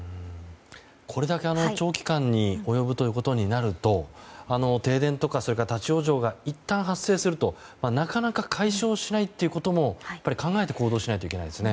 これだけ長期間に及ぶということになると停電とか立ち往生がいったん発生するとなかなか解消しないということも考えて行動しないといけないですね。